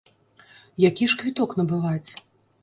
Які ж квіток набываць?